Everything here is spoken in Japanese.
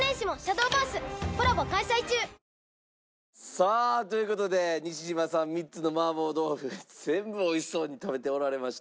さあという事で西島さん３つの麻婆豆腐全部美味しそうに食べておられました。